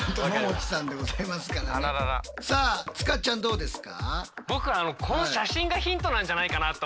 さあ塚ちゃんどうですか？